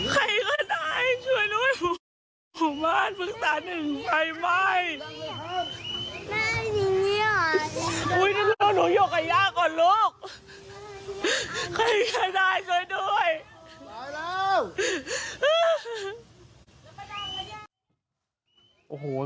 ใครก็ได้ช่วยด้วย